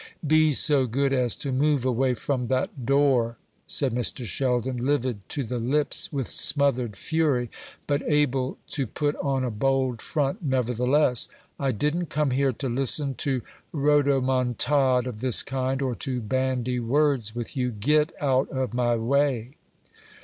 "Be so good as to move away from that door," said Mr. Sheldon, livid to the lips with smothered fury, but able to put on a bold front nevertheless. "I didn't come here to listen to rhodomontade of this kind, or to bandy words with you. Get out of my way."